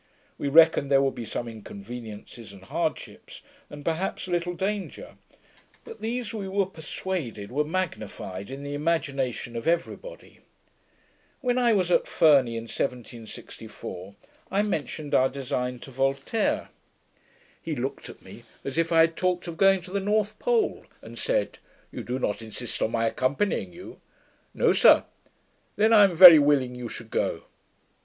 We reckoned there would be some inconveniencies and hardships, and perhaps a little danger; but these we were persuaded were magnified in the imagination of every body. When I was at Ferney, in 1764, I mentioned our design to Voltaire. He looked at me, as if I had talked of going to the North Pole, and said, 'You do not insist on my accompanying you?' 'No, sir.' 'Then I am very willing you should go.'